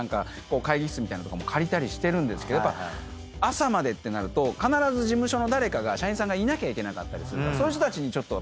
会議室みたいなのとかも借りたりしてるんですけど朝までってなると必ず事務所の誰かが社員さんがいなきゃいけなかったりするからそういう人たちに申し訳ない。